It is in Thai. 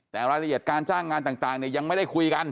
แต่รายละเอียดการจ้างงานต่างยังไม่ได้คุยกัน